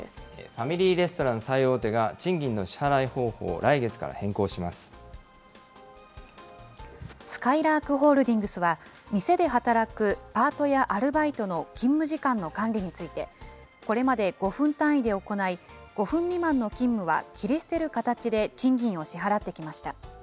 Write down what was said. ファミリーレストラン最大手が、賃金の支払い方法を来月からすかいらーくホールディングスは、店で働くパートやアルバイトの勤務時間の管理について、これまで５分単位で行い、５分未満の勤務は切り捨てる形で賃金を支払ってきました。